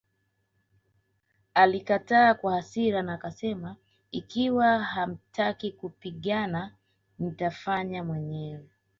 Alikataa kwa hasira na akasema Ikiwa hamtaki kupigana nitafanya mwenyewe